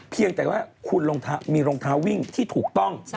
เพียงแต่ว่าคุณมีรองเท้าวิ่งที่ถูกต้อง